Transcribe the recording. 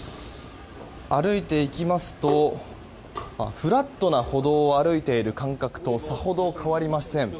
歩いていきますとフラットな歩道を歩いている感覚とさほど変わりません。